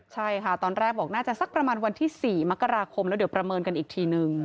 ใช่ค่ะตอนแรกบอกน่าจะสักประมาณวันที่๔มกราคมแล้วเดี๋ยวประเมินกันอีกทีนึง